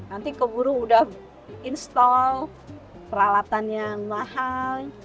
nanti keburu udah install peralatan yang mahal